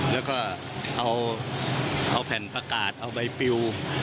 แล้วก็เอาแผ่นประกาศเอาใบปิว